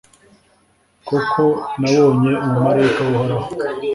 koko nabonye umumalayika w'uhoraho